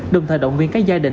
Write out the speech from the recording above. đồng thời động viên các gia đình